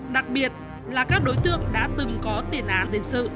đặc biệt là các đối tượng đã từng có tiền án tiền sự